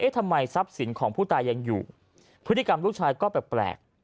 ทำไมทรัพย์สินของผู้ตายยังอยู่พฤติกรรมลูกชายก็แปลก